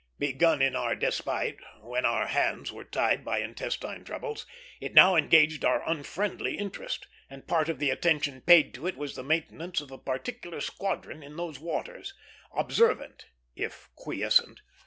Begun in our despite, when our hands were tied by intestine troubles, it now engaged our unfriendly interest; and part of the attention paid to it was the maintenance of a particular squadron in those waters observant, if quiescent.